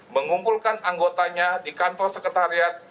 mengumpulkan anggotanya di kantor sekretariat